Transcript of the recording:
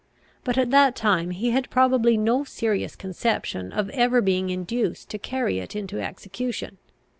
But at that time he had probably no serious conception of ever being induced to carry it into execution.